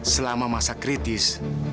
selama masa kritis